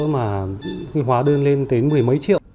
mà hóa đơn lên tới mười mấy triệu